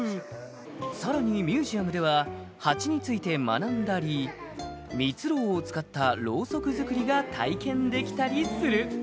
「さらにミュージアムではハチについて学んだり蜜蝋を使ったロウソク作りが体験できたりする」